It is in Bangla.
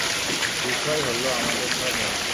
বিষয় হলো আমাদের ধর্মের।